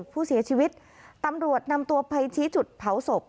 ผู้เสียชีวิตตำรวจนำตัวไปชี้จุดเผาศพ